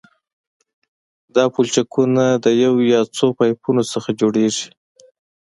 دا پلچکونه د یو یا څو پایپونو څخه جوړیږي